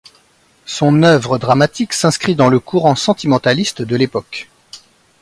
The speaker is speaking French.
Son œuvre dramatique s'inscrit dans le courant sentimentaliste de l'époque.